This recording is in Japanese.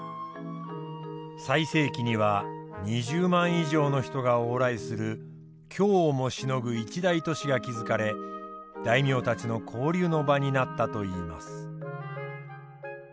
最盛期には２０万以上の人が往来する京をもしのぐ一大都市が築かれ大名たちの交流の場になったといいます。